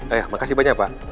ayah makasih banyak pak